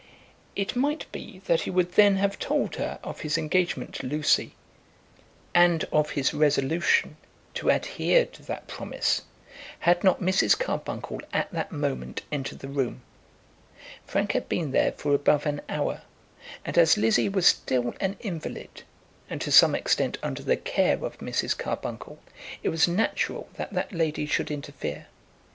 It might be that he would then have told her of his engagement to Lucy, and of his resolution to adhere to that promise, had not Mrs. Carbuncle at that moment entered the room. Frank had been there for above an hour, and as Lizzie was still an invalid, and to some extent under the care of Mrs. Carbuncle, it was natural that that lady should interfere.